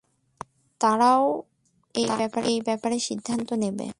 তারা এ ব্যাপারে সিদ্ধান্ত নেবে।